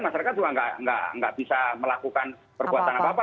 masyarakat juga tidak bisa melakukan perbuatan apa apa